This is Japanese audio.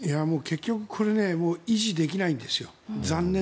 結局これ維持できないんですよね。